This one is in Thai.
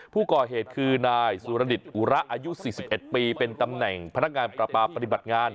ผู้ก่อเหตุคือนายสุรดิตอุระอายุ๔๑ปีเป็นตำแหน่งพนักงานประปาปฏิบัติงาน